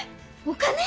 お金？